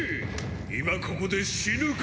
今ここで死ぬか！？